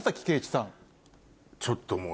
ちょっともう。